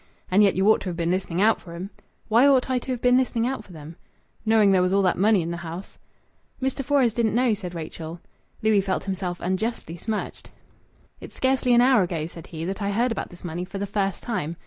"And yet you ought to have been listening out for 'em." "Why ought I to have been listening out for them?" "Knowing there was all that money in th' house." "Mr. Fores didn't know," said Rachel. Louis felt himself unjustly smirched. "It's scarcely an hour ago," said he, "that I heard about this money for the first time."